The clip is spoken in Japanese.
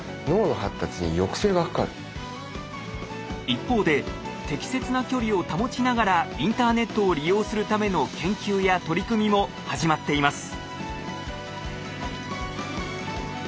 一方で適切な距離を保ちながらインターネットを利用するための研究や取り組みも始まっています。